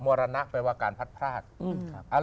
รณะแปลว่าการพัดพราก